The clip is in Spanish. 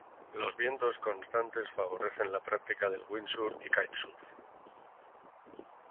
Los vientos constantes favorecen la práctica de windsurf y kitesurf.